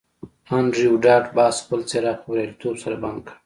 انډریو ډاټ باس خپل څراغ په بریالیتوب سره بند کړ